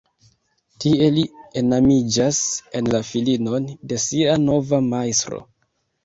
Tie li enamiĝas en la filinon de sia nova majstro.